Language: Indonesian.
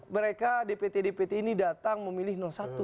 mereka dpt dpt ini datang memilih satu